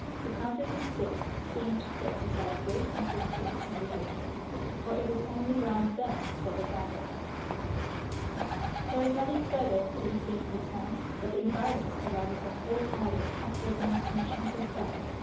The counters and sticks seemed to exercise great influence over the congregation, for it was only round them that they gathered. There is nothing further to be seen in the town, but the environs, or rather the whole island, offers the most enchanting sight.